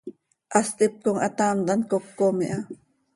Hast hipcom hataamt hant cocom iha.